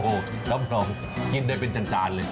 โอ้โฮน้องกินได้เป็นจานเลย